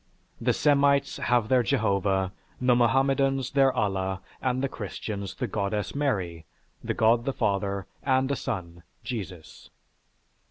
The Semites have their Jehovah, the Mohammedans their Allah, and the Christians the Goddess Mary, the God the Father, and a son Jesus.